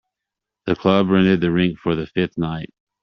The club rented the rink for the fifth night.